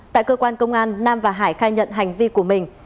tại cơ quan công an nam và hải khai nhận hành vi của mình